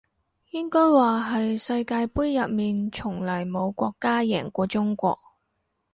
應該話係世界盃入面從來冇國家贏過中國